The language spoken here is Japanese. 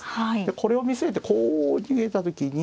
これを見据えてこう逃げた時に。